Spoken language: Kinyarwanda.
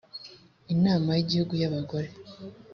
inama y’’ igihugu y’ abagore